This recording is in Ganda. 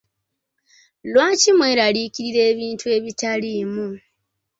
Lwaki mweraliikirira ebintu ebitaliimu.